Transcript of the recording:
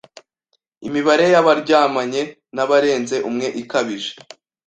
imibare ya baryamanye n’abarenze umwe ikabije